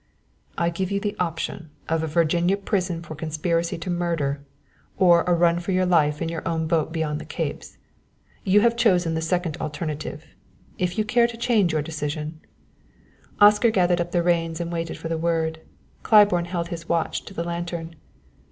"I gave you the option of a Virginia prison for conspiracy to murder, or a run for your life in your own boat beyond the Capes. You have chosen the second alternative; if you care to change your decision " Oscar gathered up the reins and waited for the word. Claiborne held his watch to the lantern.